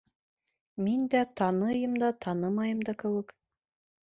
— Мин дә таныйым да, танымайым да кеүек.